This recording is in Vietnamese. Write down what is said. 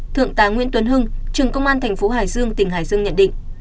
thượng tá nguyễn tuấn hưng trưởng công an thành phố hải dương tỉnh hải dương nhận định